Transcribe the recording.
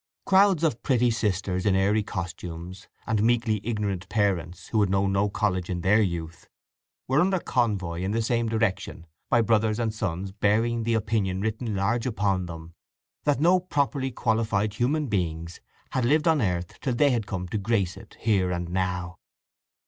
Crowds of pretty sisters in airy costumes, and meekly ignorant parents who had known no college in their youth, were under convoy in the same direction by brothers and sons bearing the opinion written large on them that no properly qualified human beings had lived on earth till they came to grace it here and now.